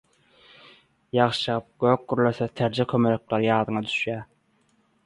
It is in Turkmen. Ýagyş ýagyp gök gürlese terje kömelekler ýadyňa düşýar.